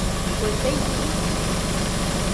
Kue taisɨ isirede